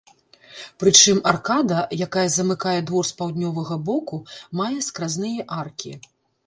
Прычым аркада, якая замыкае двор з паўднёвага боку мае скразныя аркі.